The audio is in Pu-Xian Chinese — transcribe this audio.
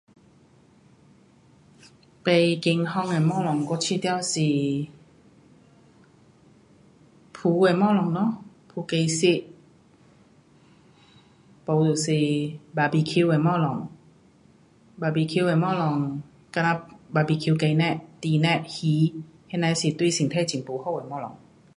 不健康的东西我觉得是，炸的东西咯，炸鸡翅，不就是 barbecue 的东西 ,barbique 的东西像呐 barbique 鸡肉，猪肉，鱼，那些是对身体很不好的东西。